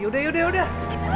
yaudah yaudah yaudah